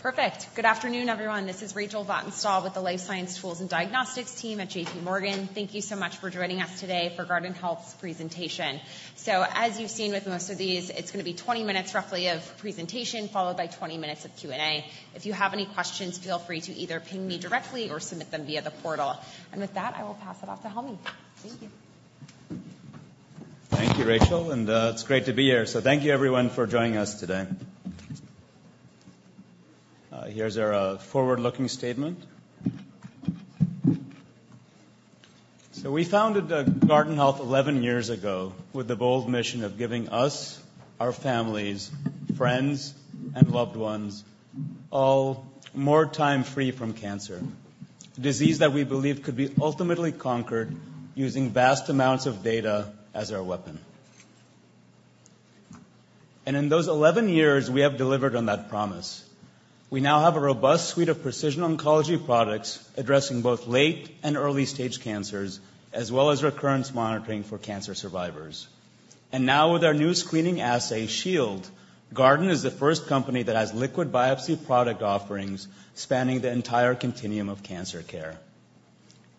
Perfect! Good afternoon, everyone. This is Rachel Vatnsdal with the Life Science Tools and Diagnostics team at JPMorgan. Thank you so much for joining us today for Guardant Health's presentation. So as you've seen with most of these, it's going to be 20 minutes roughly of presentation, followed by 20 minutes of Q&A. If you have any questions, feel free to either ping me directly or submit them via the portal. And with that, I will pass it off to Helmy. Thank you. Thank you, Rachel, and, it's great to be here. So thank you everyone for joining us today. Here's our forward-looking statement. So we founded, Guardant Health 11 years ago with the bold mission of giving us, our families, friends, and loved ones all more time free from cancer, a disease that we believe could be ultimately conquered using vast amounts of data as our weapon. And in those eleven years, we have delivered on that promise. We now have a robust suite of precision oncology products addressing both late and early-stage cancers, as well as recurrence monitoring for cancer survivors. And now with our new screening assay, Shield, Guardant is the first company that has liquid biopsy product offerings spanning the entire continuum of cancer care.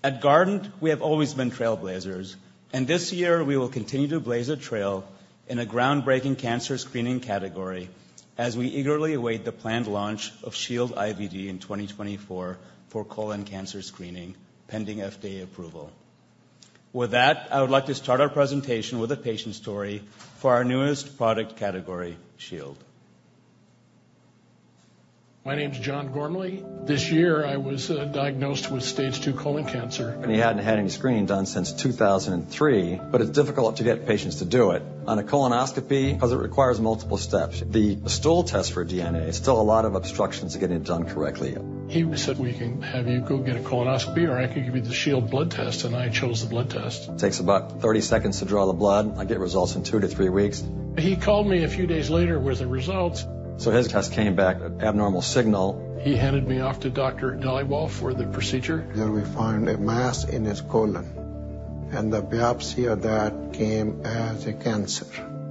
At Guardant, we have always been trailblazers, and this year we will continue to blaze a trail in a groundbreaking cancer screening category as we eagerly await the planned launch of Shield IVD in 2024 for colon cancer screening, pending FDA approval. With that, I would like to start our presentation with a patient story for our newest product category, Shield. My name is John Gormley. This year, I was diagnosed with stage II colon cancer. He hadn't had any screening done since 2003. But it's difficult to get patients to do it on a colonoscopy because it requires multiple steps. The stool test for DNA, still a lot of obstructions to getting it done correctly. He said, "We can have you go get a colonoscopy, or I could give you the Shield blood test," and I chose the blood test. It takes about 30 seconds to draw the blood. I get results in two to three weeks. He called me a few days later with the results. So his test came back an abnormal signal. He handed me off to Dr. Dhaliwal for the procedure. Then we found a mass in his colon, and the biopsy of that came as a cancer,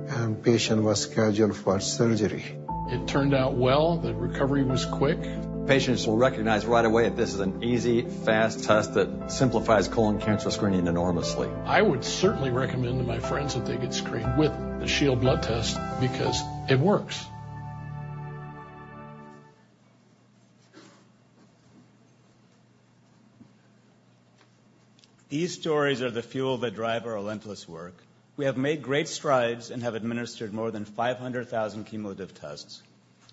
and patient was scheduled for surgery. It turned out well. The recovery was quick. Patients will recognize right away that this is an easy, fast test that simplifies colon cancer screening enormously. I would certainly recommend to my friends that they get screened with the Shield blood test because it works. These stories are the fuel that drive our relentless work. We have made great strides and have administered more than 500,000 cumulative tests.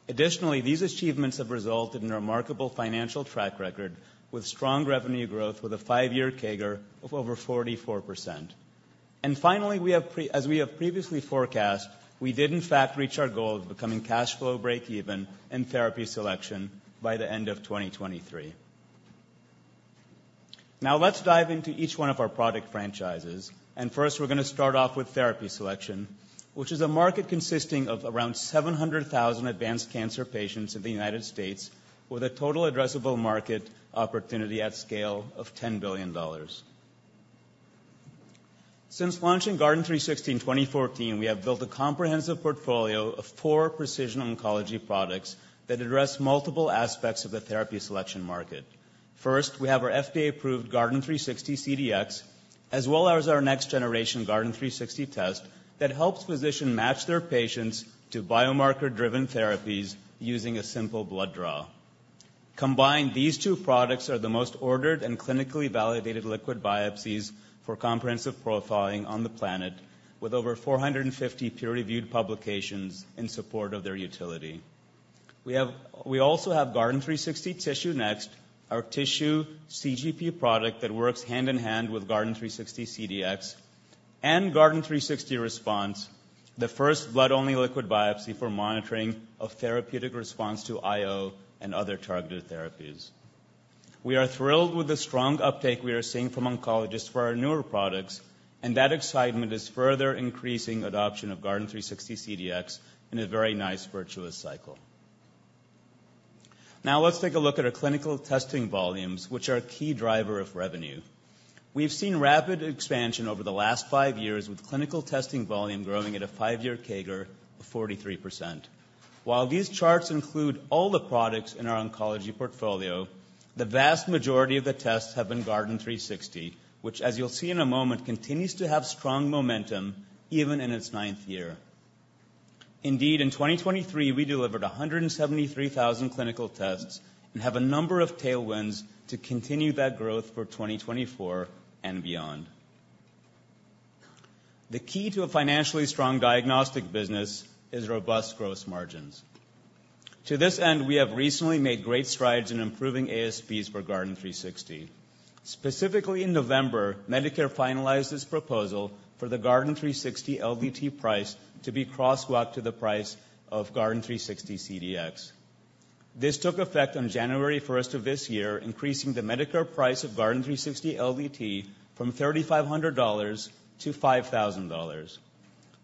Additionally, these achievements have resulted in a remarkable financial track record with strong revenue growth, with a five-year CAGR of over 44%. Finally, as we have previously forecast, we did in fact reach our goal of becoming cash flow breakeven in therapy selection by the end of 2023. Now let's dive into each one of our product franchises. First, we're going to start off with therapy selection, which is a market consisting of around 700,000 advanced cancer patients in the United States, with a total addressable market opportunity at scale of $10 billion. Since launching Guardant360 in 2014, we have built a comprehensive portfolio of four precision oncology products that address multiple aspects of the therapy selection market. First, we have our FDA-approved Guardant360 CDx, as well as our next generation Guardant360 test, that helps physicians match their patients to biomarker-driven therapies using a simple blood draw. Combined, these two products are the most ordered and clinically validated liquid biopsies for comprehensive profiling on the planet, with over 450 peer-reviewed publications in support of their utility. We also have Guardant360 TissueNext, our tissue CGP product that works hand in hand with Guardant360 CDx, and Guardant360 Response, the first blood-only liquid biopsy for monitoring of therapeutic response to IO and other targeted therapies. We are thrilled with the strong uptake we are seeing from oncologists for our newer products, and that excitement is further increasing adoption of Guardant360 CDx in a very nice, virtuous cycle. Now let's take a look at our clinical testing volumes, which are a key driver of revenue. We've seen rapid expansion over the last five years, with clinical testing volume growing at a five-year CAGR of 43%. While these charts include all the products in our oncology portfolio, the vast majority of the tests have been Guardant360, which, as you'll see in a moment, continues to have strong momentum even in its ninth year. Indeed, in 2023, we delivered 173,000 clinical tests and have a number of tailwinds to continue that growth for 2024 and beyond. The key to a financially strong diagnostic business is robust gross margins. To this end, we have recently made great strides in improving ASPs for Guardant360. Specifically in November, Medicare finalized its proposal for the Guardant360 LDT price to be crosswalked to the price of Guardant360 CDx. This took effect on January 1st of this year, increasing the Medicare price of Guardant360 LDT from $3,500 to $5,000.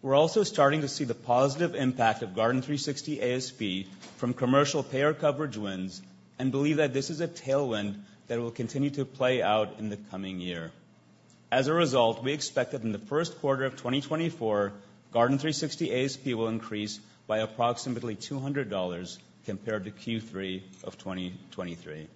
We're also starting to see the positive impact of Guardant360 ASP from commercial payer coverage wins and believe that this is a tailwind that will continue to play out in the coming year. As a result, we expect that in the first quarter of 2024, Guardant360 ASP will increase by approximately $200 compared to Q3 of 2023.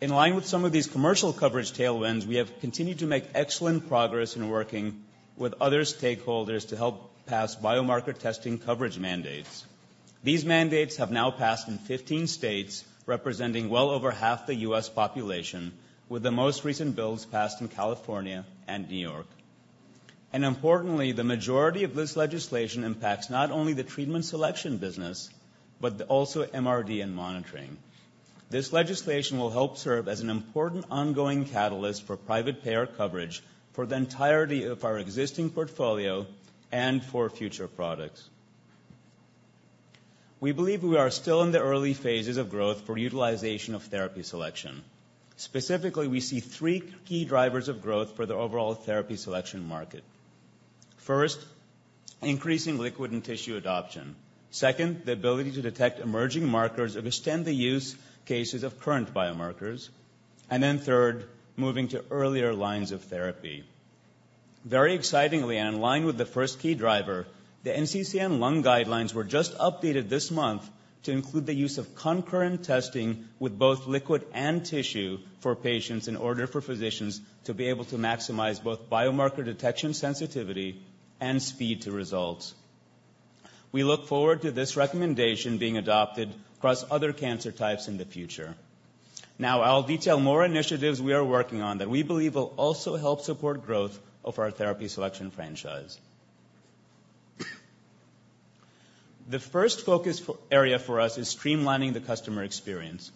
In line with some of these commercial coverage tailwinds, we have continued to make excellent progress in working with other stakeholders to help pass biomarker testing coverage mandates. These mandates have now passed in 15 states, representing well over half the U.S. population, with the most recent bills passed in California and New York. And importantly, the majority of this legislation impacts not only the treatment selection business, but also MRD and monitoring. This legislation will help serve as an important ongoing catalyst for private payer coverage for the entirety of our existing portfolio and for future products. We believe we are still in the early phases of growth for utilization of therapy selection. Specifically, we see three key drivers of growth for the overall therapy selection market. First, increasing liquid and tissue adoption. Second, the ability to detect emerging markers or extend the use cases of current biomarkers, and then third, moving to earlier lines of therapy. Very excitingly, and in line with the first key driver, the NCCN lung guidelines were just updated this month to include the use of concurrent testing with both liquid and tissue for patients, in order for physicians to be able to maximize both biomarker detection, sensitivity, and speed to results. We look forward to this recommendation being adopted across other cancer types in the future. Now, I'll detail more initiatives we are working on that we believe will also help support growth of our therapy selection franchise. The first focus area for us is streamlining the customer experience.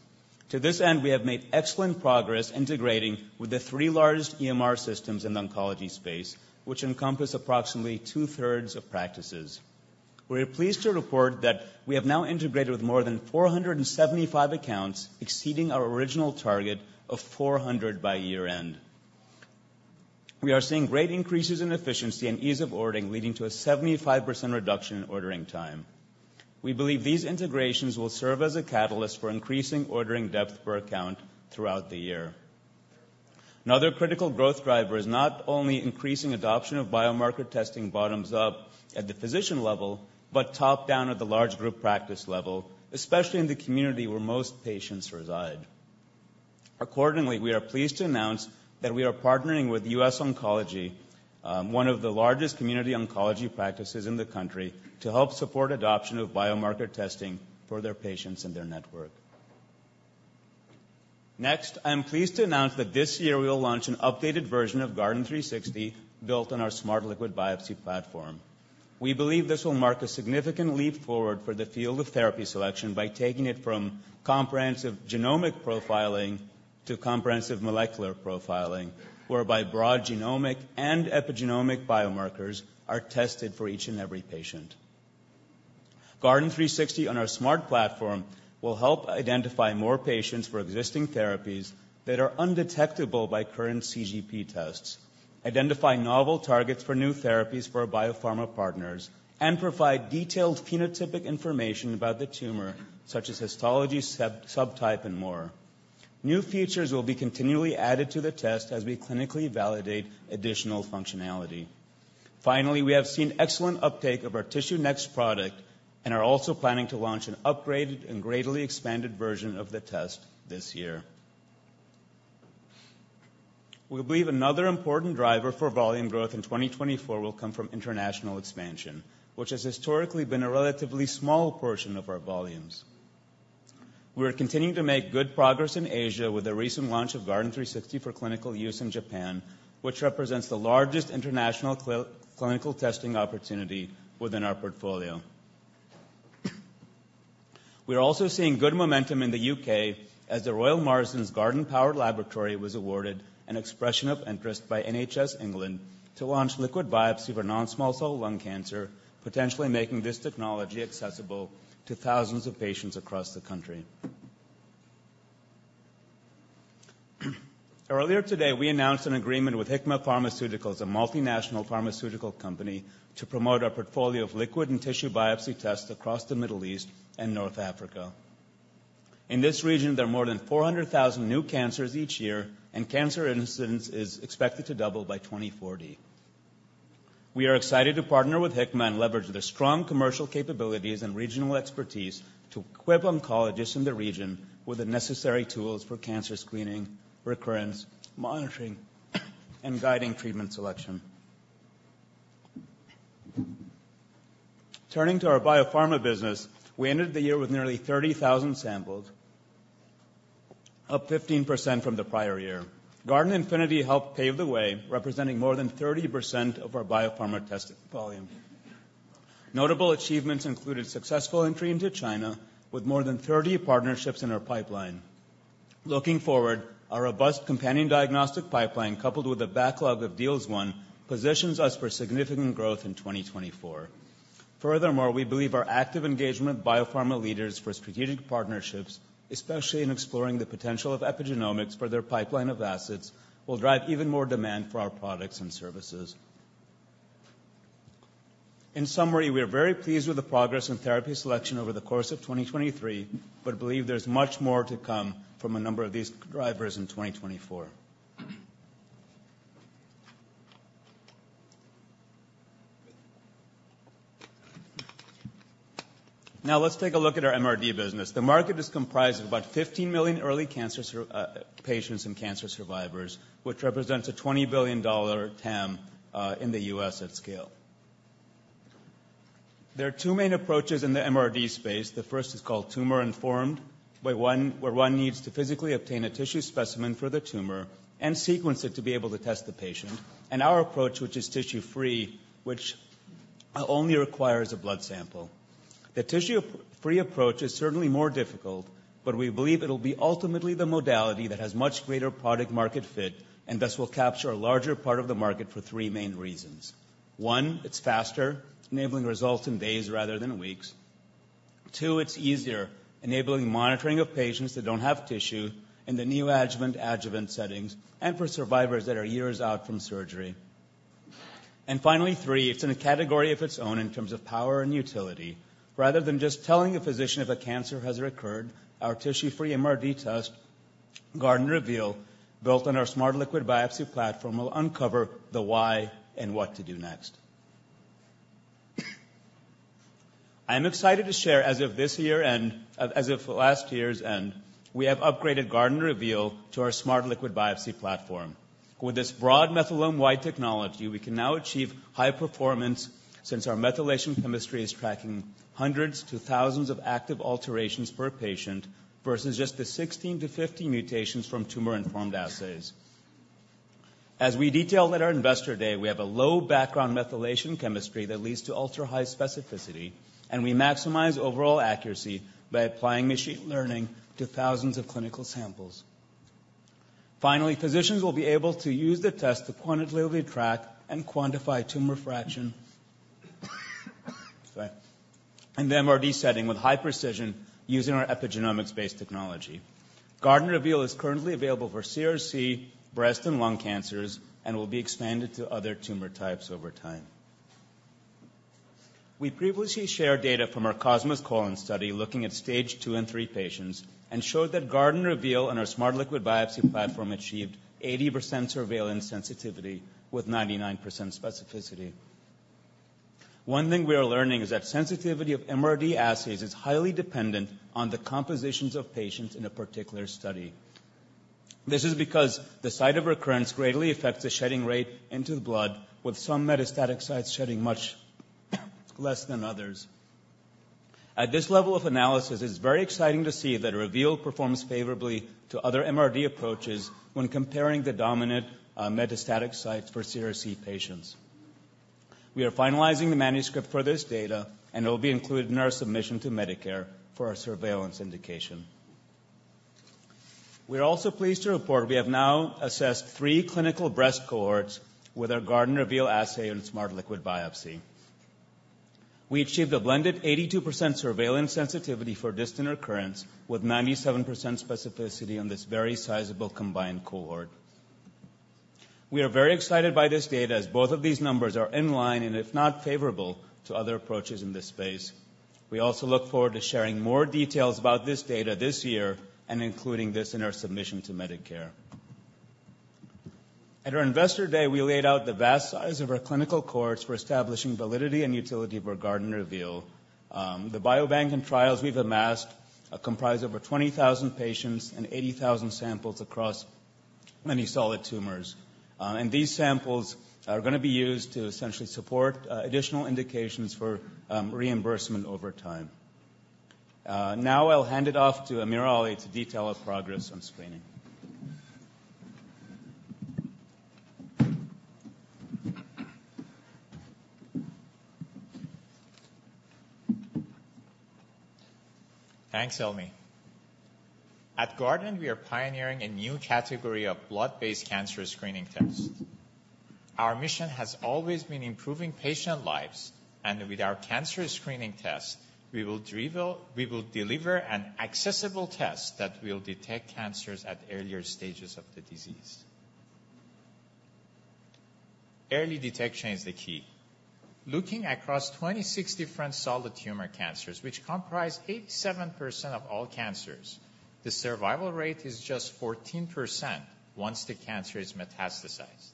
To this end, we have made excellent progress integrating with the three largest EMR systems in the oncology space, which encompass approximately 2/3 of practices. We are pleased to report that we have now integrated with more than 475 accounts, exceeding our original target of 400 by year-end. We are seeing great increases in efficiency and ease of ordering, leading to a 75% reduction in ordering time. We believe these integrations will serve as a catalyst for increasing ordering depth per account throughout the year. Another critical growth driver is not only increasing adoption of biomarker testing bottoms-up at the physician level, but top-down at the large group practice level, especially in the community where most patients reside. Accordingly, we are pleased to announce that we are partnering with US Oncology, one of the largest community oncology practices in the country, to help support adoption of biomarker testing for their patients in their network. Next, I am pleased to announce that this year we will launch an updated version of Guardant360, built on our Smart Liquid Biopsy platform. We believe this will mark a significant leap forward for the field of therapy selection by taking it from comprehensive genomic profiling to comprehensive molecular profiling, whereby broad genomic and epigenomic biomarkers are tested for each and every patient. Guardant360 on our Smart Liquid Biopsy platform will help identify more patients for existing therapies that are undetectable by current CGP tests, identify novel targets for new therapies for our biopharma partners, and provide detailed phenotypic information about the tumor, such as histology subtype, and more. New features will be continually added to the test as we clinically validate additional functionality. Finally, we have seen excellent uptake of our TissueNext product and are also planning to launch an upgraded and greatly expanded version of the test this year. We believe another important driver for volume growth in 2024 will come from international expansion, which has historically been a relatively small portion of our volumes. We are continuing to make good progress in Asia with the recent launch of Guardant360 for clinical use in Japan, which represents the largest international clinical testing opportunity within our portfolio. We are also seeing good momentum in the U.K. as The Royal Marsden's Guardant-powered laboratory was awarded an expression of interest by NHS England to launch liquid biopsy for non-small cell lung cancer, potentially making this technology accessible to thousands of patients across the country. Earlier today, we announced an agreement with Hikma Pharmaceuticals, a multinational pharmaceutical company, to promote our portfolio of liquid and tissue biopsy tests across the Middle East and North Africa. In this region, there are more than 400,000 new cancers each year, and cancer incidence is expected to double by 2040. We are excited to partner with Hikma and leverage their strong commercial capabilities and regional expertise to equip oncologists in the region with the necessary tools for cancer screening, recurrence, monitoring, and guiding treatment selection. Turning to our biopharma business, we ended the year with nearly 30,000 samples, up 15% from the prior year. Guardant Infinity helped pave the way, representing more than 30% of our biopharma testing volume. Notable achievements included successful entry into China with more than 30 partnerships in our pipeline. Looking forward, our robust companion diagnostic pipeline, coupled with a backlog of deals won, positions us for significant growth in 2024. Furthermore, we believe our active engagement with biopharma leaders for strategic partnerships, especially in exploring the potential of epigenomics for their pipeline of assets, will drive even more demand for our products and services. In summary, we are very pleased with the progress in therapy selection over the course of 2023, but believe there's much more to come from a number of these drivers in 2024. Now, let's take a look at our MRD business. The market is comprised of about 15 million early cancer patients and cancer survivors, which represents a $20 billion TAM in the U.S. at scale. There are two main approaches in the MRD space. The first is called tumor-informed, where one needs to physically obtain a tissue specimen for the tumor and sequence it to be able to test the patient. And our approach, which is tissue-free, which only requires a blood sample. The tissue-free approach is certainly more difficult, but we believe it'll be ultimately the modality that has much greater product-market fit, and thus will capture a larger part of the market for three main reasons. One, it's faster, enabling results in days rather than weeks. Two, it's easier, enabling monitoring of patients that don't have tissue in the neoadjuvant, adjuvant settings and for survivors that are years out from surgery. And finally, three, it's in a category of its own in terms of power and utility. Rather than just telling a physician if a cancer has recurred, our tissue-free MRD test, Guardant Reveal, built on our Smart Liquid Biopsy platform, will uncover the why and what to do next. I am excited to share, as of this year end... As of last year's end, we have upgraded Guardant Reveal to our Smart Liquid Biopsy platform. With this broad methylome-wide technology, we can now achieve high performance since our methylation chemistry is tracking hundreds to thousands of active alterations per patient versus just the 16-50 mutations from tumor-informed assays. As we detailed at our Investor Day, we have a low background methylation chemistry that leads to ultra-high specificity, and we maximize overall accuracy by applying machine learning to thousands of clinical samples. Finally, physicians will be able to use the test to quantitatively track and quantify tumor fraction, sorry, in the MRD setting with high precision using our epigenomics-based technology. Guardant Reveal is currently available for CRC, breast, and lung cancers and will be expanded to other tumor types over time. We previously shared data from our COSMOS colon study, looking at Stage II and III patients, and showed that Guardant Reveal on our Smart Liquid Biopsy platform achieved 80% surveillance sensitivity with 99% specificity. One thing we are learning is that sensitivity of MRD assays is highly dependent on the compositions of patients in a particular study. This is because the site of recurrence greatly affects the shedding rate into the blood, with some metastatic sites shedding much less than others. At this level of analysis, it's very exciting to see that Reveal performs favorably to other MRD approaches when comparing the dominant metastatic sites for CRC patients. We are finalizing the manuscript for this data, and it will be included in our submission to Medicare for our surveillance indication. We are also pleased to report we have now assessed three clinical breast cohorts with our Guardant Reveal assay and Smart Liquid Biopsy. We achieved a blended 82% surveillance sensitivity for distant recurrence, with 97% specificity on this very sizable combined cohort. We are very excited by this data, as both of these numbers are in line, and if not favorable, to other approaches in this space. We also look forward to sharing more details about this data this year and including this in our submission to Medicare. At our Investor Day, we laid out the vast size of our clinical cohorts for establishing validity and utility for Guardant Reveal. The biobank and trials we've amassed are comprised of over 20,000 patients and 80,000 samples across many solid tumors. And these samples are going to be used to essentially support additional indications for reimbursement over time. Now I'll hand it off to AmirAli to detail our progress on screening. Thanks, Helmy. At Guardant, we are pioneering a new category of blood-based cancer screening tests. Our mission has always been improving patient lives, and with our cancer screening test, we will deliver an accessible test that will detect cancers at earlier stages of the disease. Early detection is the key. Looking across 26 different solid tumor cancers, which comprise 87% of all cancers, the survival rate is just 14% once the cancer is metastasized.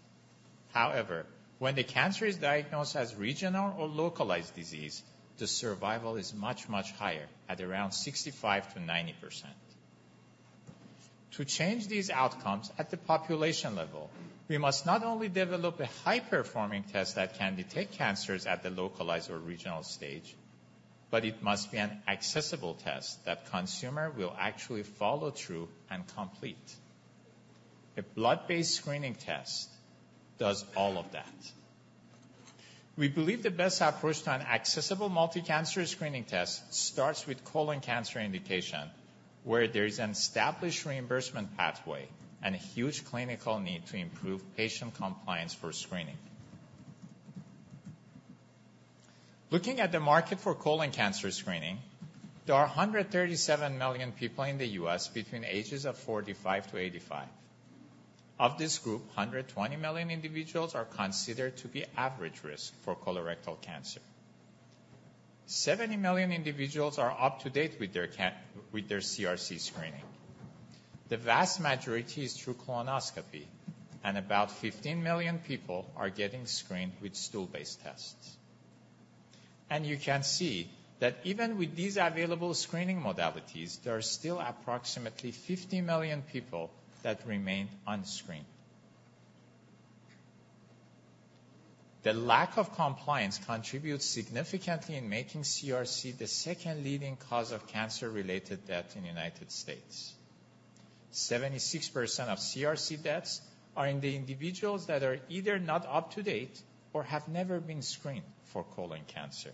However, when the cancer is diagnosed as regional or localized disease, the survival is much, much higher, at around 65%-90%. To change these outcomes at the population level, we must not only develop a high-performing test that can detect cancers at the localized or regional stage, but it must be an accessible test that consumer will actually follow through and complete. A blood-based screening test does all of that. We believe the best approach to an accessible multi-cancer screening test starts with colon cancer indication, where there is an established reimbursement pathway and a huge clinical need to improve patient compliance for screening. Looking at the market for colon cancer screening, there are 137 million people in the U.S. between ages of 45-85. Of this group, 120 million individuals are considered to be average risk for colorectal cancer. 70 million individuals are up-to-date with their CRC screening. The vast majority is through colonoscopy, and about 15 million people are getting screened with stool-based tests. You can see that even with these available screening modalities, there are still approximately 50 million people that remain unscreened. The lack of compliance contributes significantly in making CRC the second leading cause of cancer-related death in the United States. 76% of CRC deaths are in the individuals that are either not up-to-date or have never been screened for colon cancer.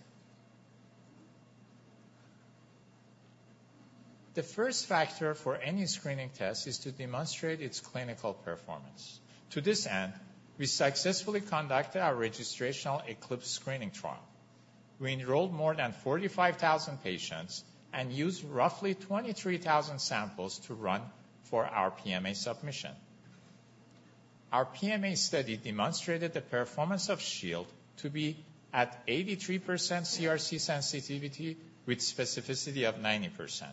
The first factor for any screening test is to demonstrate its clinical performance. To this end, we successfully conducted our registrational ECLIPSE screening trial. We enrolled more than 45,000 patients and used roughly 23,000 samples to run for our PMA submission. Our PMA study demonstrated the performance of Shield to be at 83% CRC sensitivity with specificity of 90%,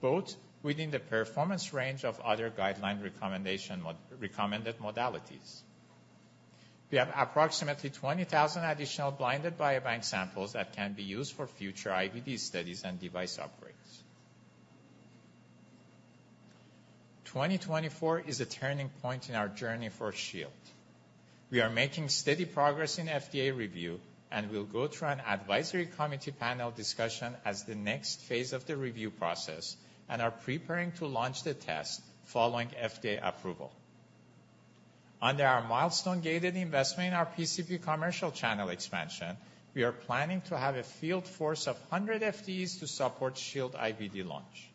both within the performance range of other guideline-recommended modalities. We have approximately 20,000 additional blinded biobank samples that can be used for future IVD studies and device upgrades. 2024 is a turning point in our journey for Shield. We are making steady progress in FDA review, and we'll go through an advisory committee panel discussion as the next phase of the review process and are preparing to launch the test following FDA approval. Under our milestone-gated investment in our PCP commercial channel expansion, we are planning to have a field force of 100 FDEs to support Shield IVD launch.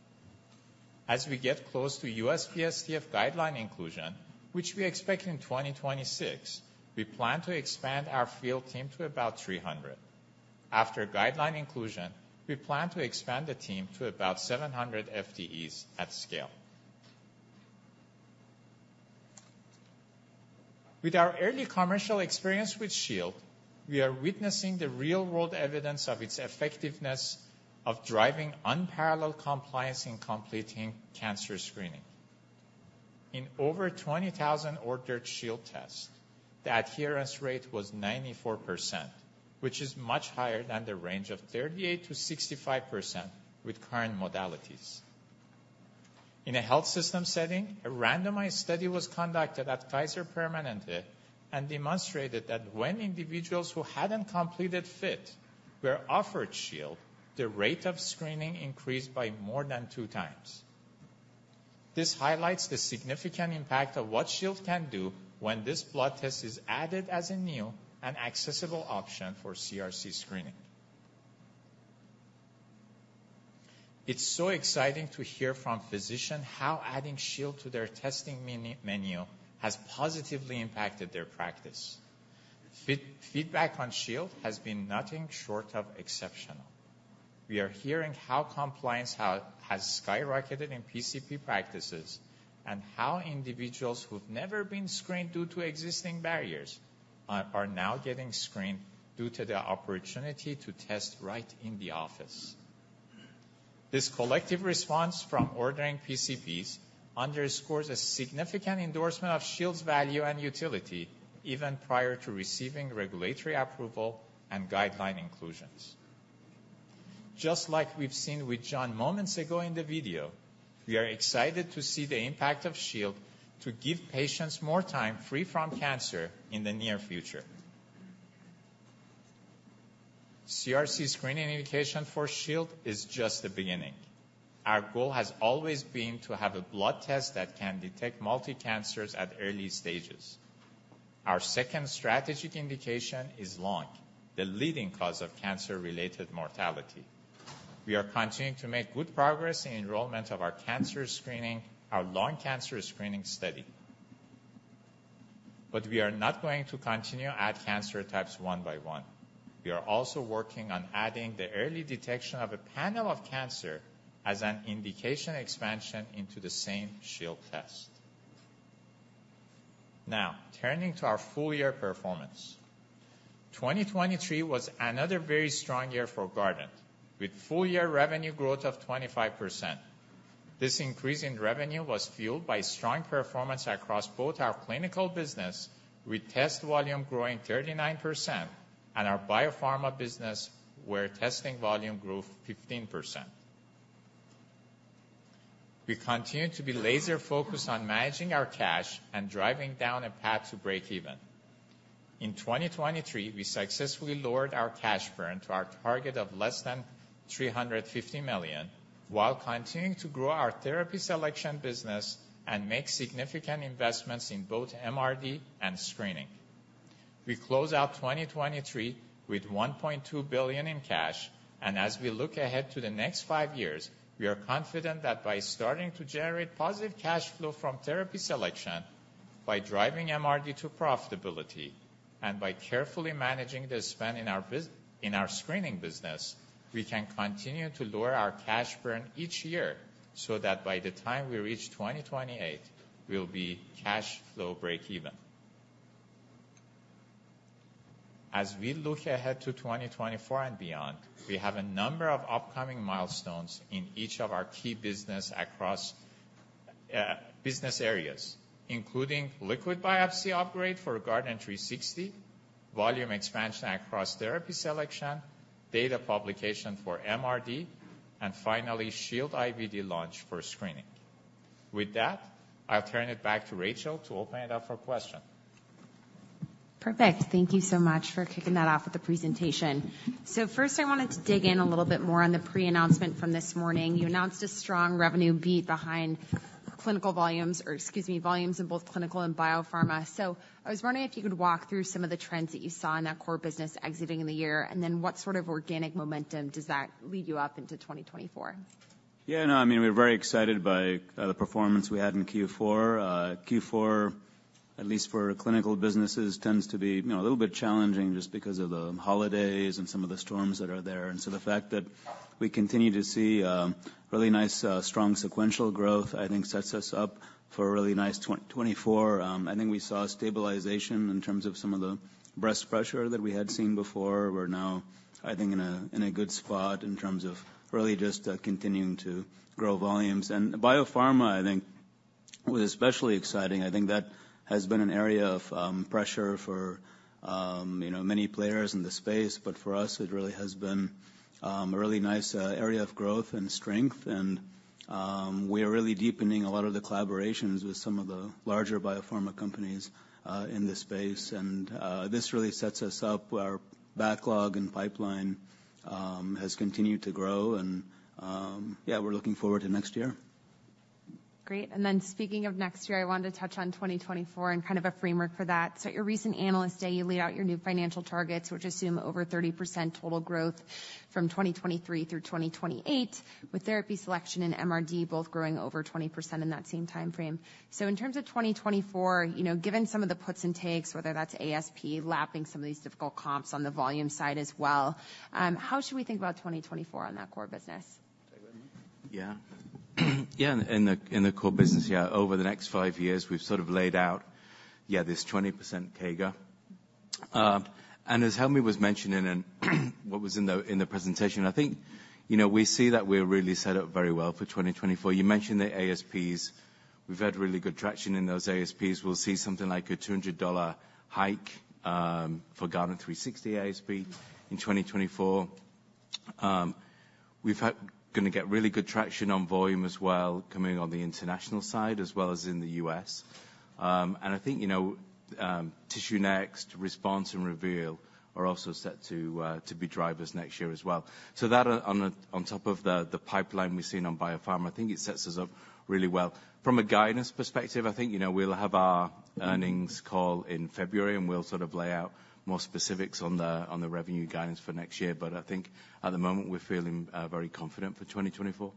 As we get close to USPSTF guideline inclusion, which we expect in 2026, we plan to expand our field team to about 300. After guideline inclusion, we plan to expand the team to about 700 FDEs at scale. With our early commercial experience with Shield, we are witnessing the real-world evidence of its effectiveness of driving unparalleled compliance in completing cancer screening. In over 20,000 ordered Shield tests, the adherence rate was 94%, which is much higher than the range of 38%-65% with current modalities. In a health system setting, a randomized study was conducted at Kaiser Permanente and demonstrated that when individuals who hadn't completed FIT were offered Shield, the rate of screening increased by more than two times. This highlights the significant impact of what Shield can do when this blood test is added as a new and accessible option for CRC screening. It's so exciting to hear from physician how adding Shield to their testing menu has positively impacted their practice. Feedback on Shield has been nothing short of exceptional. We are hearing how compliance has skyrocketed in PCP practices and how individuals who've never been screened due to existing barriers are now getting screened due to the opportunity to test right in the office. This collective response from ordering PCPs underscores a significant endorsement of Shield's value and utility even prior to receiving regulatory approval and guideline inclusions. Just like we've seen with John moments ago in the video, we are excited to see the impact of Shield to give patients more time free from cancer in the near future. CRC screening indication for Shield is just the beginning. Our goal has always been to have a blood test that can detect multi-cancers at early stages. Our second strategic indication is lung, the leading cause of cancer-related mortality. We are continuing to make good progress in enrollment of our cancer screening, our lung cancer screening study. But we are not going to continue to add cancer types one by one. We are also working on adding the early detection of a panel of cancer as an indication expansion into the same Shield test. Now, turning to our full-year performance. 2023 was another very strong year for Guardant, with full-year revenue growth of 25%. This increase in revenue was fueled by strong performance across both our clinical business, with test volume growing 39%, and our biopharma business, where testing volume grew 15%. We continue to be laser-focused on managing our cash and driving down a path to break even. In 2023, we successfully lowered our cash burn to our target of less than $350 million, while continuing to grow our therapy selection business and make significant investments in both MRD and screening. We close out 2023 with $1.2 billion in cash, and as we look ahead to the next five years, we are confident that by starting to generate positive cash flow from therapy selection, by driving MRD to profitability-... and by carefully managing the spend in our business in our screening business, we can continue to lower our cash burn each year, so that by the time we reach 2028, we'll be cash flow breakeven. As we look ahead to 2024 and beyond, we have a number of upcoming milestones in each of our key business across business areas, including liquid biopsy upgrade for Guardant360, volume expansion across therapy selection, data publication for MRD, and finally, Shield IVD launch for screening. With that, I'll turn it back to Rachel to open it up for question. Perfect. Thank you so much for kicking that off with the presentation. So first, I wanted to dig in a little bit more on the pre-announcement from this morning. You announced a strong revenue beat behind clinical volumes, or excuse me, volumes in both clinical and biopharma. So I was wondering if you could walk through some of the trends that you saw in that core business exiting the year, and then what sort of organic momentum does that lead you up into 2024? Yeah, no, I mean, we're very excited by the performance we had in Q4. Q4, at least for clinical businesses, tends to be, you know, a little bit challenging just because of the holidays and some of the storms that are there. And so the fact that we continue to see really nice strong sequential growth, I think sets us up for a really nice 2024. I think we saw a stabilization in terms of some of the breast pressure that we had seen before. We're now, I think, in a good spot in terms of really just continuing to grow volumes. And biopharma, I think, was especially exciting. I think that has been an area of pressure for, you know, many players in the space, but for us, it really has been a really nice area of growth and strength, and we are really deepening a lot of the collaborations with some of the larger biopharma companies in this space. And this really sets us up. Our backlog and pipeline has continued to grow, and yeah, we're looking forward to next year. Great. And then speaking of next year, I wanted to touch on 2024 and kind of a framework for that. So at your recent Analyst Day, you laid out your new financial targets, which assume over 30% total growth from 2023 through 2028, with therapy selection and MRD both growing over 20% in that same time frame. So in terms of 2024, you know, given some of the puts and takes, whether that's ASP, lapping some of these difficult comps on the volume side as well, how should we think about 2024 on that core business? Yeah. Yeah, in the core business, yeah, over the next five years, we've sort of laid out, yeah, this 20% CAGR. And as Helmy was mentioning in what was in the presentation, I think, you know, we see that we're really set up very well for 2024. You mentioned the ASPs. We've had really good traction in those ASPs. We'll see something like a $200 hike for Guardant360 ASP in 2024. We've had gonna get really good traction on volume as well, coming on the international side, as well as in the U.S. And I think, you know, TissueNext, Response, and Reveal are also set to be drivers next year as well. So that, on top of the pipeline we've seen on biopharma, I think it sets us up really well. From a guidance perspective, I think, you know, we'll have our earnings call in February, and we'll sort of lay out more specifics on the, on the revenue guidance for next year. But I think at the moment, we're feeling very confident for 2024.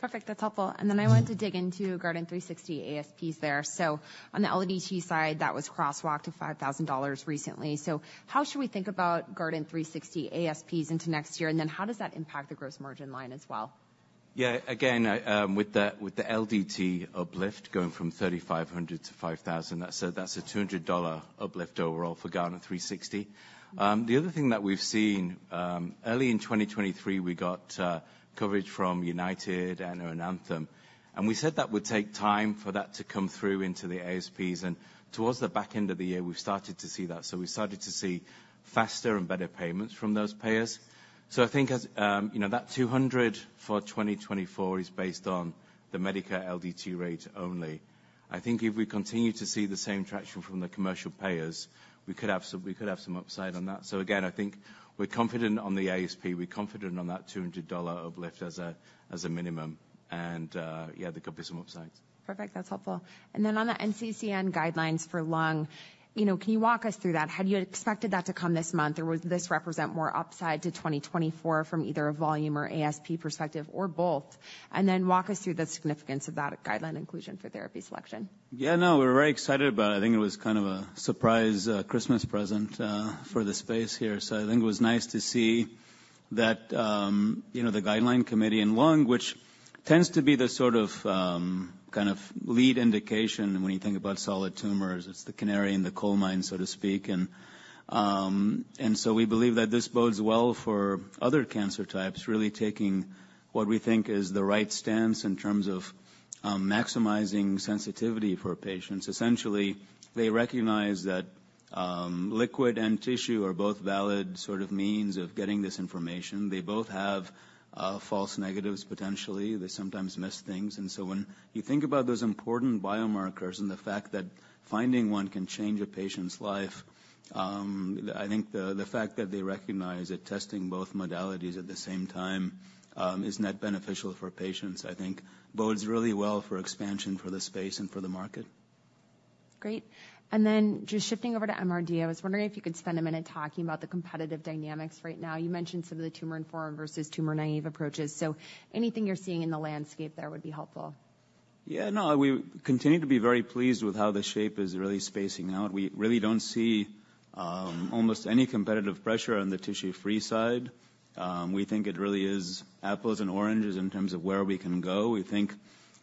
Perfect. That's helpful. And then I wanted to dig into Guardant360 ASPs there. So on the LDT side, that was crosswalked to $5,000 recently. So how should we think about Guardant360 ASPs into next year? And then how does that impact the gross margin line as well? Yeah, again, with the LDT uplift going from 3,500 to 5,000, that's a $200 uplift overall for Guardant360. The other thing that we've seen, early in 2023, we got coverage from United and Anthem, and we said that would take time for that to come through into the ASPs, and towards the back end of the year, we've started to see that. So we started to see faster and better payments from those payers. So I think as you know, that $200 for 2024 is based on the Medicare LDT rate only. I think if we continue to see the same traction from the commercial payers, we could have some upside on that. So again, I think we're confident on the ASP, we're confident on that $200 uplift as a minimum, and yeah, there could be some upsides. Perfect. That's helpful. And then on the NCCN guidelines for lung, you know, can you walk us through that? Had you expected that to come this month, or would this represent more upside to 2024 from either a volume or ASP perspective or both? And then walk us through the significance of that guideline inclusion for therapy selection. Yeah, no, we're very excited about it. I think it was kind of a surprise Christmas present for the space here. So I think it was nice to see that, you know, the guideline committee in lung, which tends to be the sort of kind of lead indication when you think about solid tumors. It's the canary in the coal mine, so to speak. And so we believe that this bodes well for other cancer types, really taking what we think is the right stance in terms of maximizing sensitivity for patients. Essentially, they recognize that liquid and tissue are both valid sort of means of getting this information. They both have false negatives, potentially. They sometimes miss things. And so when you think about those important biomarkers and the fact that finding one can change a patient's life, I think the fact that they recognize that testing both modalities at the same time is net beneficial for patients, I think bodes really well for expansion for the space and for the market. Great. And then just shifting over to MRD, I was wondering if you could spend a minute talking about the competitive dynamics right now. You mentioned some of the tumor-informed versus tumor-naive approaches. So anything you're seeing in the landscape there would be helpful.... Yeah, no, we continue to be very pleased with how the Shield is really spacing out. We really don't see almost any competitive pressure on the tissue-free side. We think it really is apples and oranges in terms of where we can go. We think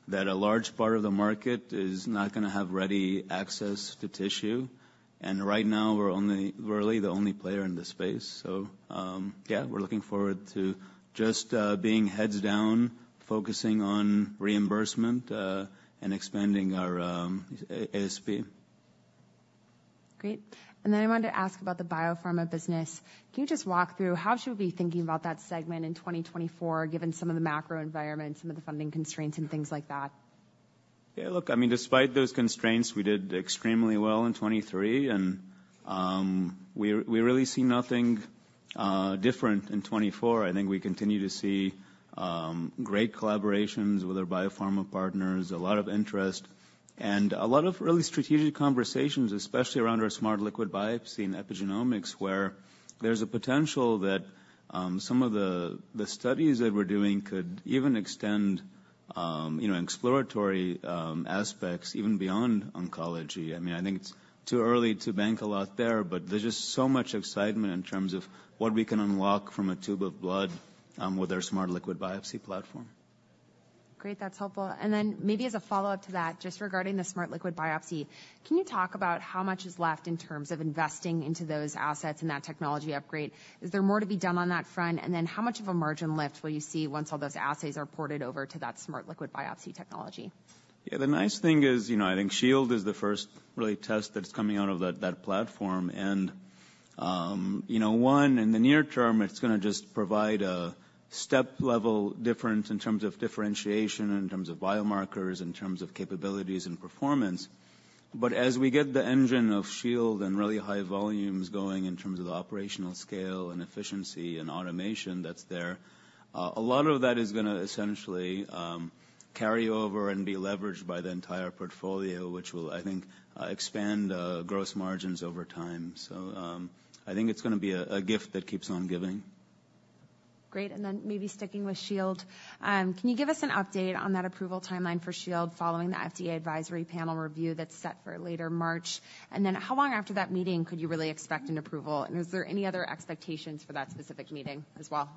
that a large part of the market is not gonna have ready access to tissue, and right now we're only—we're really the only player in this space. So, yeah, we're looking forward to just being heads down, focusing on reimbursement, and expanding our ASP. Great. Then I wanted to ask about the biopharma business. Can you just walk through how should we be thinking about that segment in 2024, given some of the macro environment, some of the funding constraints, and things like that? Yeah, look, I mean, despite those constraints, we did extremely well in 2023, and we really see nothing different in 2024. I think we continue to see great collaborations with our biopharma partners, a lot of interest, and a lot of really strategic conversations, especially around our Smart Liquid Biopsy and epigenomics, where there's a potential that some of the studies that we're doing could even extend you know exploratory aspects even beyond oncology. I mean, I think it's too early to bank a lot there, but there's just so much excitement in terms of what we can unlock from a tube of blood with our Smart Liquid Biopsy platform. Great, that's helpful. And then maybe as a follow-up to that, just regarding the smart liquid biopsy, can you talk about how much is left in terms of investing into those assets and that technology upgrade? Is there more to be done on that front? And then how much of a margin lift will you see once all those assays are ported over to that smart liquid biopsy technology? Yeah, the nice thing is, you know, I think Shield is the first really test that's coming out of that platform. And, you know, one, in the near term, it's gonna just provide a step-level difference in terms of differentiation, in terms of biomarkers, in terms of capabilities and performance. But as we get the engine of Shield and really high volumes going in terms of the operational scale and efficiency and automation that's there, a lot of that is gonna essentially carry over and be leveraged by the entire portfolio, which will, I think, expand gross margins over time. So, I think it's gonna be a gift that keeps on giving. Great. And then maybe sticking with Shield, can you give us an update on that approval timeline for Shield, following the FDA advisory panel review that's set for later March? And then how long after that meeting could you really expect an approval, and is there any other expectations for that specific meeting as well?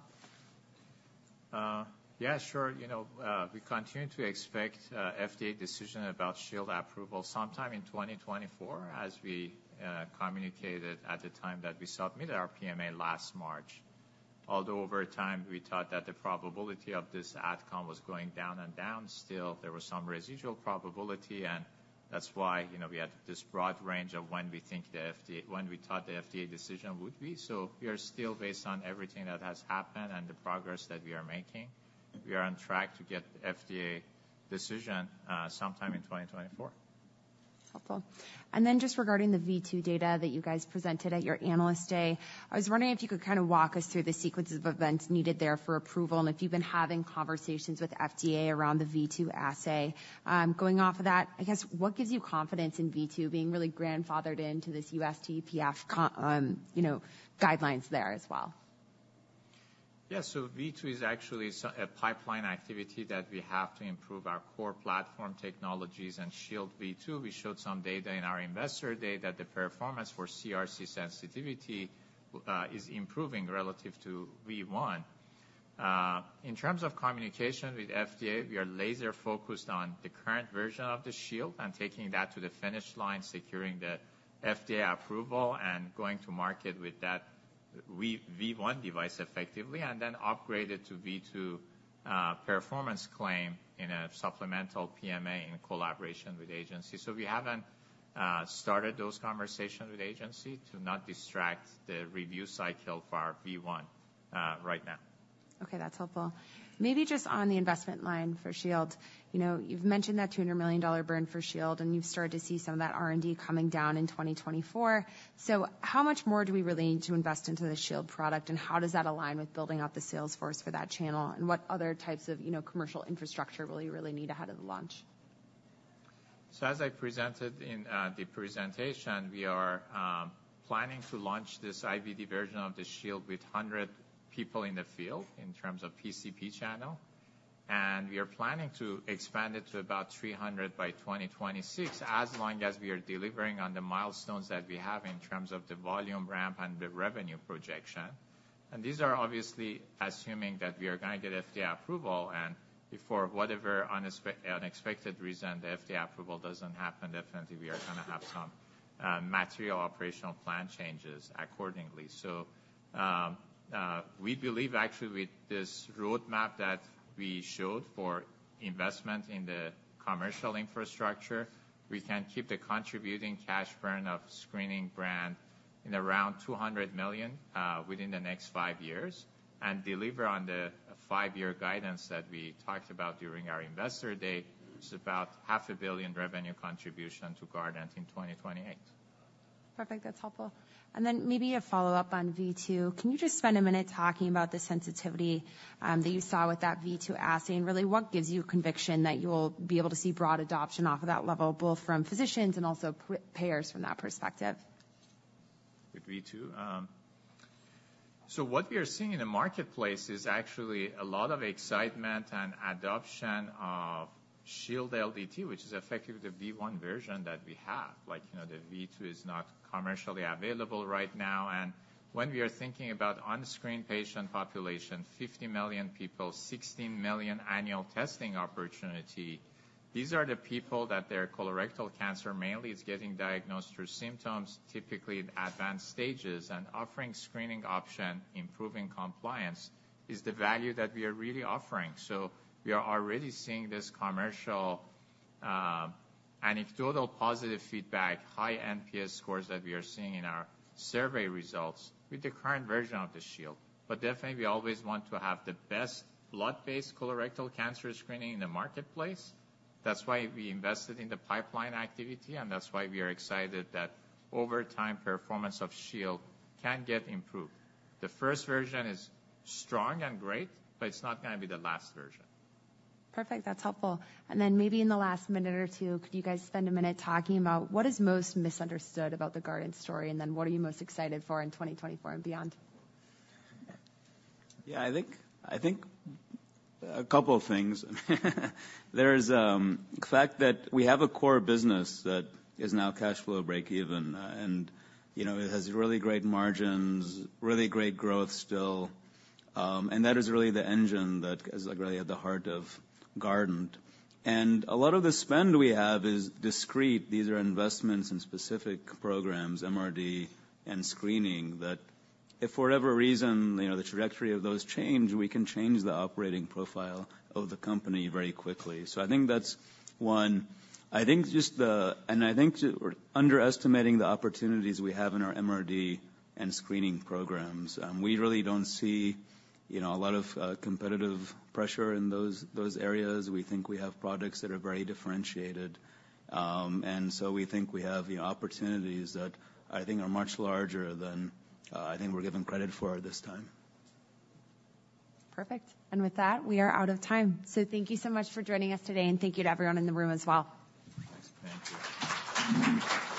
Yeah, sure. You know, we continue to expect FDA decision about Shield approval sometime in 2024, as we communicated at the time that we submitted our PMA last March. Although over time, we thought that the probability of this outcome was going down and down, still, there was some residual probability, and that's why, you know, we had this broad range of when we thought the FDA decision would be. So we are still, based on everything that has happened and the progress that we are making, we are on track to get FDA decision sometime in 2024. Helpful. And then just regarding the V2 data that you guys presented at your Analyst Day, I was wondering if you could kind of walk us through the sequence of events needed there for approval, and if you've been having conversations with FDA around the V2 assay? Going off of that, I guess, what gives you confidence in V2 being really grandfathered into this USPSTF, you know, guidelines there as well? Yeah. So V2 is actually a pipeline activity that we have to improve our core platform technologies and Shield V2. We showed some data in our Investor Day, that the performance for CRC sensitivity is improving relative to V1. In terms of communication with FDA, we are laser-focused on the current version of the Shield and taking that to the finish line, securing the FDA approval, and going to market with that V1 device effectively, and then upgrade it to V2 performance claim in a supplemental PMA in collaboration with agency. So we haven't started those conversations with agency to not distract the review cycle for our V1 right now. Okay, that's helpful. Maybe just on the investment line for Shield. You know, you've mentioned that $200 million burn for Shield, and you've started to see some of that R&D coming down in 2024. So how much more do we really need to invest into the Shield product, and how does that align with building out the sales force for that channel? And what other types of, you know, commercial infrastructure will you really need ahead of the launch? So as I presented in the presentation, we are planning to launch this IVD version of the Shield with 100 people in the field in terms of PCP channel, and we are planning to expand it to about 300 by 2026, as long as we are delivering on the milestones that we have in terms of the volume ramp and the revenue projection. These are obviously assuming that we are gonna get FDA approval, and if for whatever unexpected reason the FDA approval doesn't happen, definitely we are gonna have some material operational plan changes accordingly. So, we believe actually with this roadmap that we showed for investment in the commercial infrastructure, we can keep the contributing cash burn of screening brand in around $200 million, within the next five years, and deliver on the five-year guidance that we talked about during our Investor Day. It's about $500 million revenue contribution to Guardant in 2028. Perfect. That's helpful. And then maybe a follow-up on V2. Can you just spend a minute talking about the sensitivity, that you saw with that V2 assay, and really, what gives you conviction that you will be able to see broad adoption off of that level, both from physicians and also payers from that perspective? With V2? So what we are seeing in the marketplace is actually a lot of excitement and adoption of Shield LDT, which is effectively the V1 version that we have. Like, you know, the V2 is not commercially available right now, and when we are thinking about unscreened patient population, 50 million people, 16 million annual testing opportunity, these are the people that their colorectal cancer mainly is getting diagnosed through symptoms, typically in advanced stages, and offering screening option, improving compliance, is the value that we are really offering. So we are already seeing this commercial, anecdotal positive feedback, high NPS scores that we are seeing in our survey results with the current version of the Shield. But definitely, we always want to have the best blood-based colorectal cancer screening in the marketplace. That's why we invested in the pipeline activity, and that's why we are excited that over time, performance of Shield can get improved. The first version is strong and great, but it's not gonna be the last version. Perfect. That's helpful. And then maybe in the last minute or two, could you guys spend a minute talking about what is most misunderstood about the Guardant story, and then what are you most excited for in 2024 and beyond? Yeah, I think a couple of things. There's the fact that we have a core business that is now cash flow break even, and you know, it has really great margins, really great growth still. And that is really the engine that is, like, really at the heart of Guardant. And a lot of the spend we have is discrete. These are investments in specific programs, MRD and screening, that if for whatever reason, you know, the trajectory of those change, we can change the operating profile of the company very quickly. So I think that's one. I think just the... And I think we're underestimating the opportunities we have in our MRD and screening programs. We really don't see, you know, a lot of competitive pressure in those areas. We think we have products that are very differentiated, and so we think we have the opportunities that I think are much larger than, I think we're given credit for at this time. Perfect. With that, we are out of time. Thank you so much for joining us today, and thank you to everyone in the room as well. Thanks. Thank you.